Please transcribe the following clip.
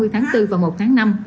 ba mươi tháng bốn và một tháng năm